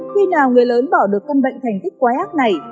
khi nào người lớn bỏ được căn bệnh thành tích quái ác này